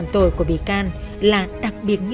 tôi muốn tiêu thú